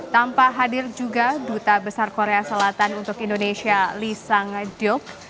tanpa hadir juga duta besar korea selatan untuk indonesia lee sang duk